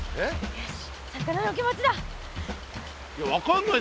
よし。